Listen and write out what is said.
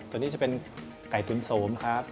ตัวนี้จะเป็นไก่ตุ๋นโสมครับ